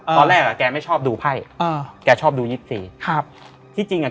ตอนแรกอ่ะแกไม่ชอบดูไพ่อแกชอบดูยิบซีครับที่จริงอ่ะ